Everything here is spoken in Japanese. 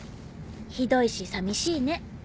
ひどいし寂しいね。